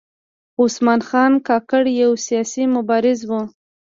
عثمان خان کاکړ یو سیاسي مبارز و .